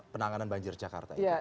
penanganan banjir jakarta itu